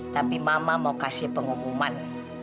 tapi mama mau kasih pengumuman